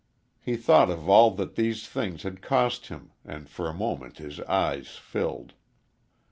He thought of all that these things had cost him and for a moment his eyes filled.